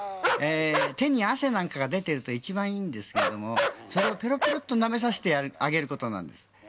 手に汗なんかが出ていると一番いいんですけれどもそれをペロペロとなめさせてあげることなんです。